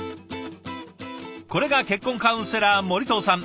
これが結婚カウンセラー森藤さん